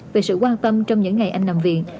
về sự quan tâm trong những ngày anh nằm viện